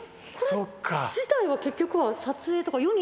これ自体は結局は撮影とか。